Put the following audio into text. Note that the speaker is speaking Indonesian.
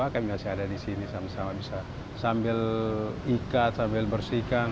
kami masih ada di sini sama sama bisa sambil ikat sambil bersihkan